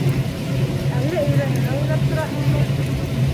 Әллә өйрәнергә уйлап тораһыңмы?